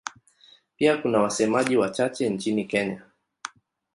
Pia kuna wasemaji wachache nchini Kenya.